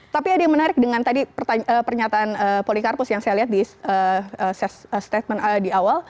tapi ada yang menarik dengan tadi pernyataan polikarpus yang saya lihat di statement di awal